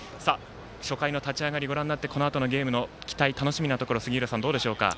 初回、立ち上がりご覧になってこのあとのゲーム、期待楽しみなところ、どうでしょうか。